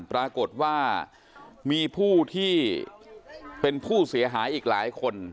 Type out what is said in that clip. ปรากฏว่ามีผู้ที่เป็นผู้เสียหายอีกหลายคน